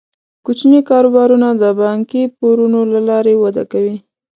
کوچني کاروبارونه د بانکي پورونو له لارې وده کوي.